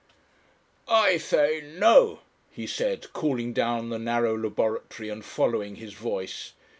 "I say no!" he said, calling down the narrow laboratory and following his voice.